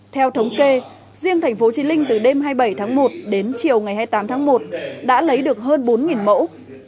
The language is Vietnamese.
theo thống kê riêng tp hcm từ đêm hai mươi bảy tháng một đến chiều ngày hai mươi tám tháng một đã lấy được hơn bốn mẫu